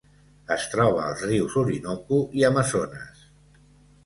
Es troba als rius Orinoco i Amazones.